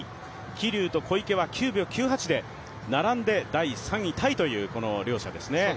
桐生と小池は９秒９８で並んで第３位タイというこの両者ですね。